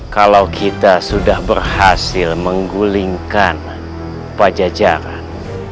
kalau kita sudah berhasil menggulingkan pajajaran